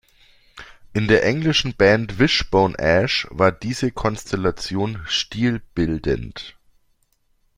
In der englischen Band Wishbone Ash war diese Konstellation stilbildend.